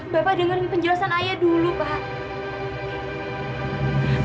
bapak dengerin penjelasan ayah dulu pak